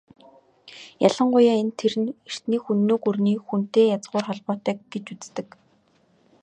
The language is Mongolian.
Ялангуяа энэ нэр нь эртний Хүннү гүрний "Хүн"-тэй язгуур холбоотой гэж үздэг.